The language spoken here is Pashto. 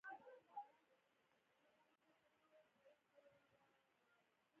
زه د ډي ایچ ایل بار وزن اندازه کوم.